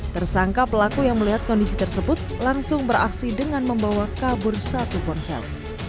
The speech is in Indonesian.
tersangka pelaku yang melihat kondisi tersebut langsung beraksi dengan membawa kabur satu ponsel